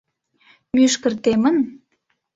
— Мӱшкыр темын?